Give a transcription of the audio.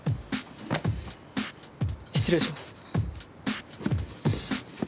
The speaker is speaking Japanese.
失礼します。